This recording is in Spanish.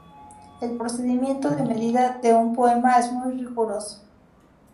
El procedimiento de medida de un poema es muy riguroso.